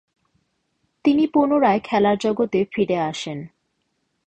তিনি পুনরায় খেলার জগতে ফিরে আসেন।